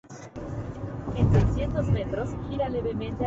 Inventor de varios softwares para ser usados por artistas y diseñadores visuales.